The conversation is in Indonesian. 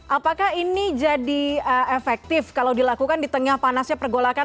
apakah ini jadi efektif kalau dilakukan di tengah panasnya pergolakan